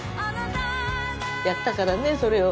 やったからねそれを。